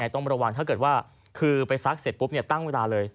ต้องระวังถ้าเกิดว่าคือไปซักเสร็จปุ๊บตั้งเวลาเลย